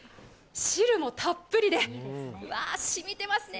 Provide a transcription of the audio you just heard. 汁もたっぷりでしみてますね。